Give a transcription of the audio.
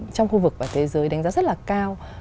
trong khu vực và thế giới đánh giá rất là cao